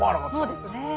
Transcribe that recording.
そうですね。